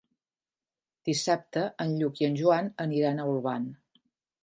Dissabte en Lluc i en Joan aniran a Olvan.